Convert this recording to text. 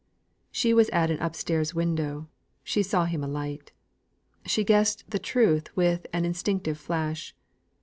She was at an upstairs window; she saw him alight; she guessed the truth with an instinctive flash.